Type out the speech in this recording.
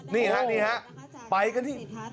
นี่ฮะนี่ฮะไปกันที่